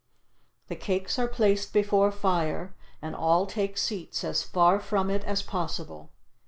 The cakes are placed before fire, and all take seats as far from it as possible.